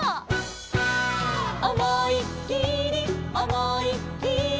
「おもいっきりおもいっきり」